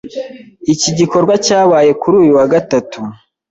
Iki gikorwa cyabaye kuri uyu wa Gatatu .